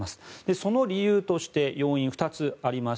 その理由として要因、２つあります。